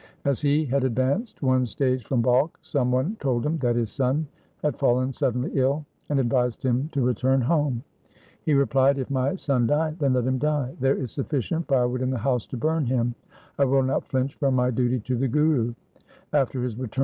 As he had advanced one stage from Balkh, some one told him that his son had fallen suddenly ill, and advised him to return home. He replied, ' If my LIFE OF GURU HAR GOBIND 219 son die, then let him die. There is sufficient fire wood in the house to burn him. I will not flinch from my duty to the Guru.'